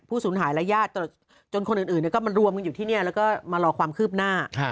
สูญหายและญาติจนคนอื่นก็มารวมกันอยู่ที่นี่แล้วก็มารอความคืบหน้า